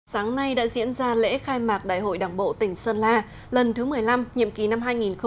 sáng nay đã diễn ra lễ khai mạc đại hội đảng bộ tỉnh sơn la lần thứ một mươi năm nhiệm kỳ năm hai nghìn hai mươi hai nghìn hai mươi năm